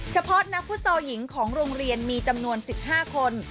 เฉพาะนักฟุตซอลหญิงของโรงเรียนมีจำนวน๑๕คน